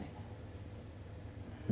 dan publik disuruh